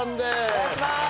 お願いします